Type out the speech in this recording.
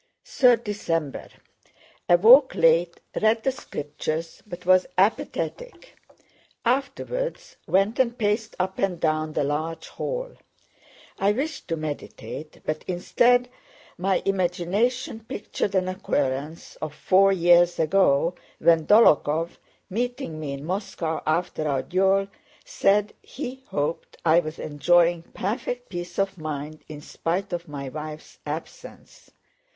3rd December Awoke late, read the Scriptures but was apathetic. Afterwards went and paced up and down the large hall. I wished to meditate, but instead my imagination pictured an occurrence of four years ago, when Dólokhov, meeting me in Moscow after our duel, said he hoped I was enjoying perfect peace of mind in spite of my wife's absence.